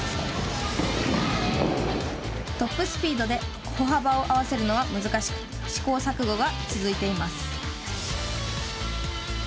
トップスピードで歩幅を合わせるのは難しく試行錯誤が続いています。